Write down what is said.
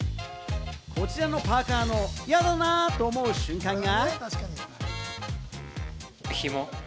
こちらのパーカのやだなーと思う瞬間が。